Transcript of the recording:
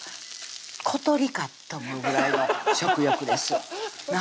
小鳥かと思うぐらいの食欲ですな